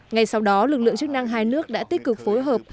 ngay sau đó lực lượng chức năng hai nước đã tích cực phối hợp